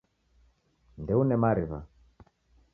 Ndeune mariwa